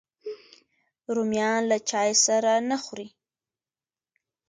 رومیان له چای سره نه خوري